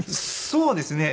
そうですね。